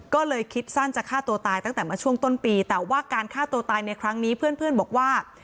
ก็เลยคิดสั้นจะฆ่าตัวตายตั้งแต่มาช่วงต้นปีแต่ว่าการฆ่าตัวตายในครั้งนี้เพื่อนบอกว่า